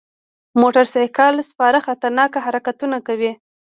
موټر سایکل سپاره خطرناک حرکتونه کوي.